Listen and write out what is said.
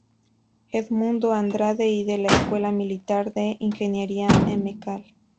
Edmundo Andrade" y de la Escuela Militar de Ingeniería "Mcal.